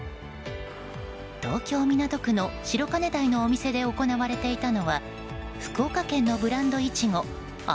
東京・港区の白金台のお店で行われていたのは福岡県のブランドイチゴあ